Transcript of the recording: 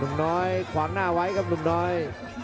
ลุงน้อยขวางหน้าไว้ครับลุงน้อย